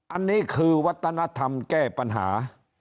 อันนี้คือวัฒนธรรมแก้ปัญหา